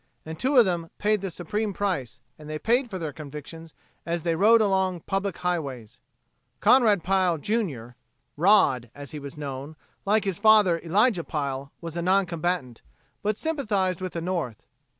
And two of them paid the supreme price, and they paid for their convictions as they rode along public highways. Conrad Pile, Jr., "Rod" as he was known, like his father, Elijah Pile, was a non combatant, but sympathized with the North.